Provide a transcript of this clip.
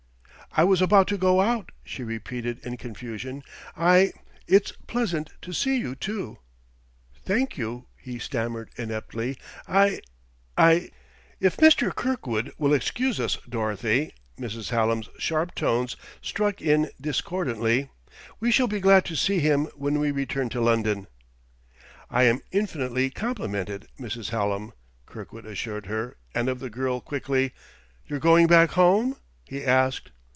"I was about to go out," she repeated in confusion. "I it's pleasant to see you, too." "Thank you," he stammered ineptly; "I I " "If Mr. Kirkwood will excuse us, Dorothy," Mrs. Hallam's sharp tones struck in discordantly, "we shall be glad to see him when we return to London." "I am infinitely complimented, Mrs. Hallam," Kirkwood assured her; and of the girl quickly: "You're going back home?" he asked.